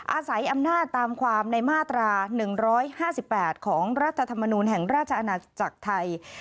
อาศัยอำนาจตามความในมาตรา๑๕๘ของรัฐธรรมนูลแห่งราชอาณาจักรไทย